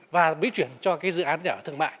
và bí chuyển cho cái dự án nhà ở thương mại